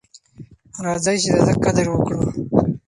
راځئ چې د ده قدر وکړو.